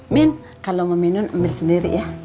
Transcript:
min kalau mau minum ambil sendiri ya